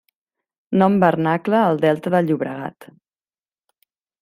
Nom vernacle al Delta del Llobregat: